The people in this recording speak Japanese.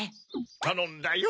たのんだよ。